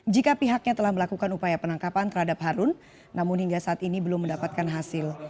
jika pihaknya telah melakukan upaya penangkapan terhadap harun namun hingga saat ini belum mendapatkan hasil